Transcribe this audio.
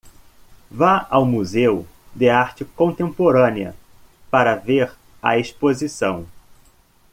Vá ao Museu de Arte Contemporânea para ver a exposição